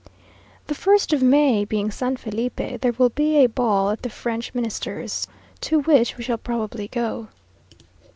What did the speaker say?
The first of May being San Felipe, there will be a ball at the French Minister's, to which we shall probably go.